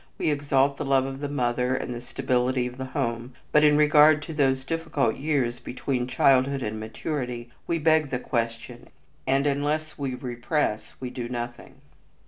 We exalt the love of the mother and the stability of the home, but in regard to those difficult years between childhood and maturity we beg the question and unless we repress, we do nothing.